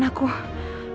tidak boleh zegerak